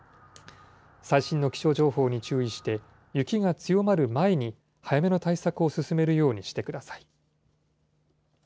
最新の気象情報に注意して、雪が強まる前に、早めの対策を進めるようにしてください。